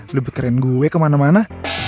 lebih keren gue kemana mana